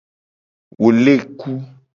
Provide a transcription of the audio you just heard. Wo le ku.